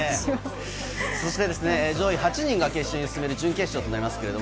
そして上位８人が決勝に進める準決勝となります。